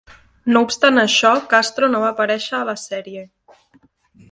No obstant això, Castro no va aparèixer a la sèrie.